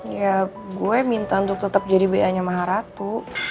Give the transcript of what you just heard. ya gue minta untuk tetap jadi bayiannya maharatu